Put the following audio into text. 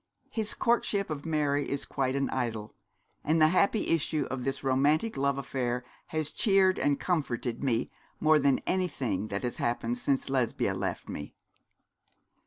His courtship of Mary is quite an idyll; and the happy issue of this romantic love affair has cheered and comforted me more than anything that has happened since Lesbia left me.'